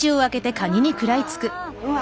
うわ。